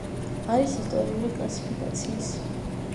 არის ისტორიული კლასიფიკაციის.